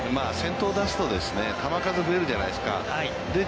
先頭を出すと球数が増えるじゃないですか。